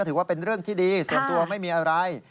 ถือว่าเป็นเรื่องที่ดีส่วนตัวไม่มีอะไร